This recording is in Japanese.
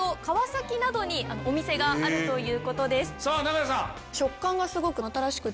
さぁ長屋さん。